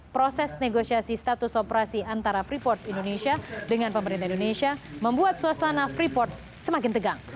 proses negosiasi status operasi antara freeport indonesia dengan pemerintah indonesia membuat suasana freeport semakin tegang